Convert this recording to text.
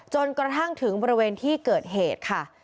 จนกระทั่งถึงบริเวณที่เกิดเหตุค่ะ